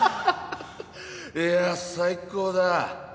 いや最高だ！